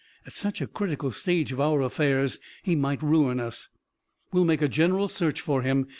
At such a critical stage of our affairs he might ruin us. We'll make a general search for him.